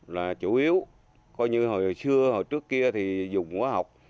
là chủ yếu coi như hồi xưa hồi trước kia thì dùng quá học